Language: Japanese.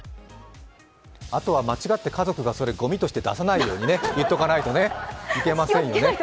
あとは間違って家族がそれごみとして出さないように言っておかないといけませんよね。